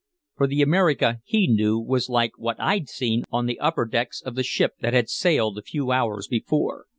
For the America he knew was like what I'd seen on the upper decks of the ship that had sailed a few hours before.